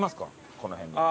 この辺に。